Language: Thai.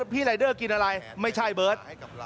รายเดอร์กินอะไรไม่ใช่เบิร์ต